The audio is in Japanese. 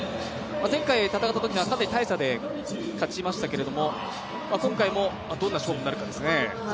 前回、戦ったときにはかなり大差で勝ちましたが今回もどんな勝負になるかですね。